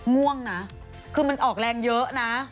ง่วงนะคือมันออกแรงเยอะนะ